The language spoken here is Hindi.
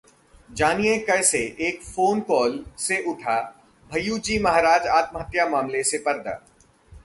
जानिए कैसे 'एक फोन कॉल' से उठा भय्यूजी महाराज आत्महत्या मामले से पर्दा